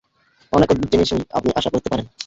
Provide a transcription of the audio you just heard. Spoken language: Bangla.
অনেক অদ্ভুত জিনিসই আপনি আশা করতে পারেন।